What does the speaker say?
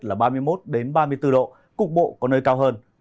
là ba mươi một ba mươi bốn độ cục bộ có nơi cao hơn